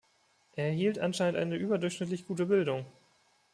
Er erhielt anscheinend eine überdurchschnittlich gute Bildung.